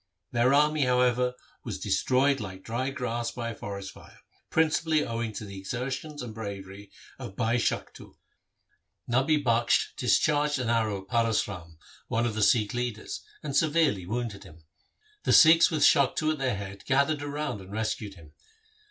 Their army, however, was destroyed like dry grass by a forest fire, prin cipally owing to the exertions and bravery of Bhai Shaktu. LIFE OF GURU HAR GOBIND 113 Nabi Bakhsh discharged an arrow at Paras Ram, one of the Sikh leaders, and severely wounded him. The Sikhs with Shaktu at their head gathered round and rescued him.